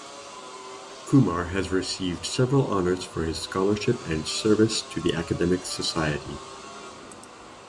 Kumar has received several honors for his scholarship and service to the academic society.